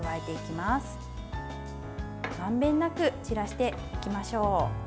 まんべんなく散らしていきましょう。